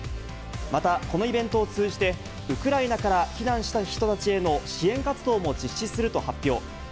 また、このイベントを通じてウクライナから避難した人たちへの支援活動も実施すると発表。